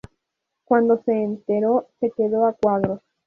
Cuando se enteró, se quedó a cuadros